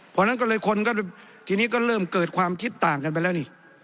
เพราะฉะนั้นก็เลยคนก็ทีนี้ก็เริ่มเกิดความคิดต่างกันไปแล้วนี่